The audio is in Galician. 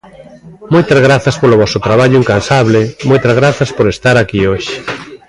Moitas grazas polo voso traballo incansable, moitas grazas por estar aquí hoxe.